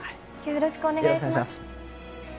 よろしくお願いします。